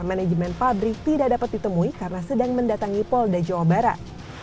manajemen pabrik tidak dapat ditemui karena sedang mendatangi polda jawa barat